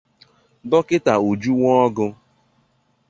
Dọkịta Uju Nworgu